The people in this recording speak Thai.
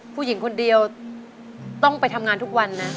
ผู้หญิงคนเดียวต้องไปทำงานทุกวันนะ